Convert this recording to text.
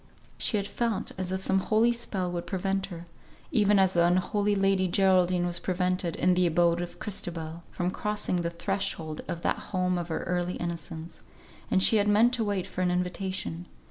She had felt as if some holy spell would prevent her (even as the unholy Lady Geraldine was prevented, in the abode of Christabel) from crossing the threshold of that home of her early innocence; and she had meant to wait for an invitation.